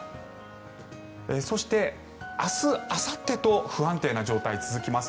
そして、明日あさってと不安定な状態が続きます。